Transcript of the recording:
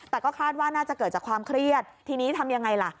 แต่ก็คาดว่าน่าจะเกิดจากความเครียดทีนี้ทำยังไงล่ะ